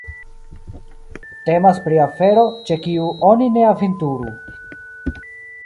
Temas pri afero, ĉe kiu oni ne aventuru.